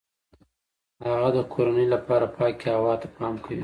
هغه د کورنۍ لپاره پاک هوای ته پام کوي.